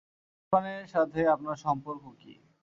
ইরফানের সাথে আপনার সম্পর্ক কী?